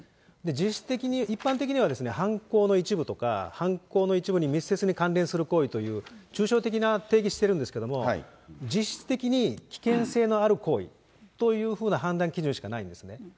実質的に、一般的には、犯行の一部とか、犯行の一部に密接に関連する行為という、抽象的な定義してるんですけれども、実質的に危険性のある行為というふうな判断基準しかないんですね。